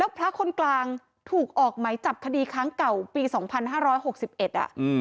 แล้วพระคนกลางถูกออกไหมจับคดีครั้งเก่าปีสองพันห้าร้อยหกสิบเอ็ด